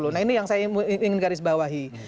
nah ini yang saya ingin garis bawahi